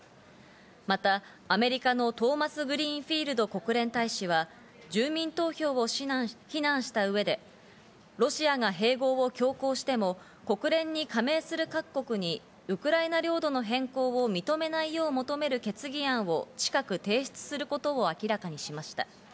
また、アメリカのトーマス・グリーンフィールド国連大使は、住民投票を非難した上で、ロシアが併合を強行しても国連に加盟する各国にウクライナ領土の変更を認めないよう求める決議案を近く提出することを明らかにしました。